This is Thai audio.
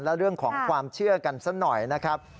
และเรื่องของความเชื่อกันสักหน่อยนะครับ